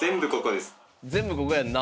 全部ココやんな。